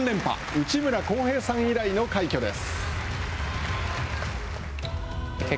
内村航平さん以来の快挙です。